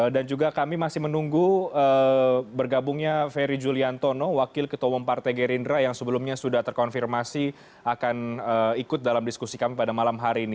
dan juga kami masih menunggu bergabungnya ferry juliantono wakil ketua umum partai gerindra yang sebelumnya sudah terkonfirmasi akan ikut dalam diskusi kami pada malam hari ini